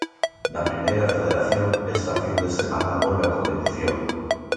Na Primeira Federación, esta fin de semana volve a competición.